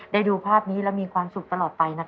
ได้ดูภาพนี้และมีความสุขตลอดไปนะครับ